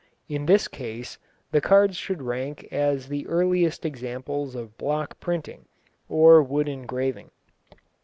In this case the cards should rank as the earliest examples of block printing, or wood engraving.